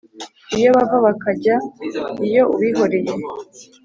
iyo bava bakajya. iyo ubihoreye